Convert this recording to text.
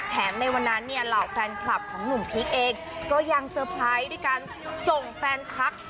ในวันนั้นเนี่ยเหล่าแฟนคลับของหนุ่มพีคเองก็ยังเตอร์ไพรส์ด้วยการส่งแฟนพัก